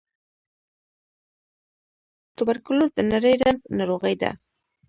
توبرکلوز د نري رنځ ناروغۍ ده.